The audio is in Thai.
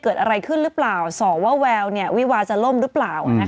เกิดอะไรขึ้นหรือเปล่าส่อว่าแวววิวาจะล่มหรือเปล่า